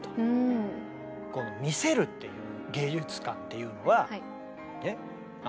この「見せる」っていう芸術観っていうのは。